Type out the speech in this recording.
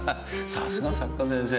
さすが作家先生